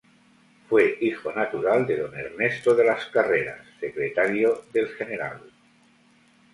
Fue hijo natural de don Ernesto de las Carreras, secretario del Gral.